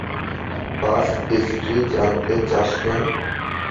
Past history জানতে চাস কেন?